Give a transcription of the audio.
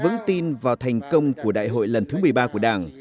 và vẫn tin vào thành công của đại hội lần thứ một mươi ba của đảng